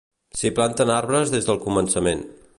S'hi planten arbres des del començament.